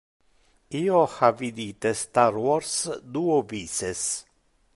Io ha vidite Star Wars duo vices.